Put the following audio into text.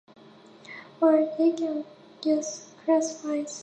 Or, they can use classifieds.